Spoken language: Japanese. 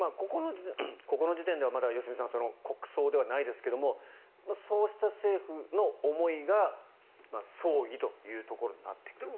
ここの時点ではまだ良純さん、国葬ではないですがそうした政府の思いが葬儀というところになっていったと。